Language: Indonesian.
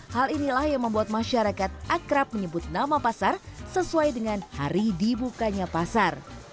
hal inilah yang membuat masyarakat akrab menyebut nama pasar sesuai dengan hari dibukanya pasar